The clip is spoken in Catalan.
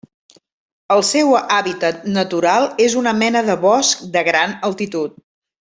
El seu hàbitat natural és una mena de bosc de gran altitud.